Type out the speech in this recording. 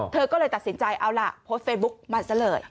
เธอก็เลยตัดสินใจเอาล่ะโพสต์เฟซบุ๊กมาซะเลย